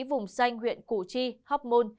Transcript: vùng xanh huyện củ chi hóc môn